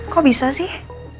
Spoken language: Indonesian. kok bisa sih